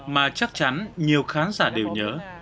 mà chắc chắn nhiều khán giả đều nhớ